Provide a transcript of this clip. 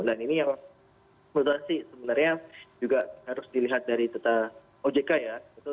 dan ini yang menurut saya sih sebenarnya juga harus dilihat dari data ojk ya